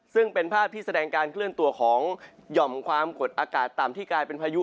ซึ่งเป็นภาพที่แสดงการเคลื่อนตัวของหย่อมความกดอากาศต่ำที่กลายเป็นพายุ